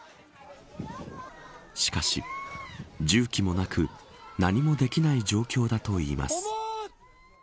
しかし重機もなく何もできない状況だといいます。